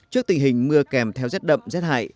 trước tình hình mưa kèm theo rét đậm rét hại